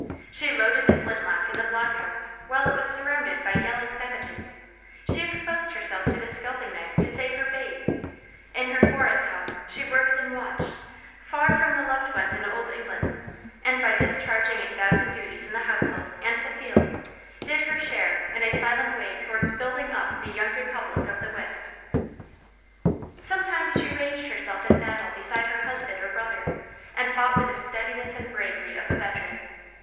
She loaded the flint lock in the block house while it was surrounded by yelling savages; she exposed herself to the scalping knife to save her babe; in her forest home she worked and watched, far from the loved ones in Old England; and by discharging a thousand duties in the household and the field, did her share in a silent way towards building up the young Republic of the West. Sometimes she ranged herself in battle beside her husband or brother, and fought with the steadiness and bravery of a veteran.